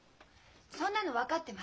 そんなの分かってます。